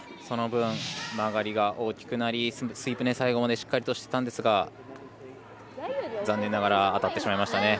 その分、曲がりが大きくなりスイープ、最後までしっかりとしていたんですが残念ながら当たってしまいました。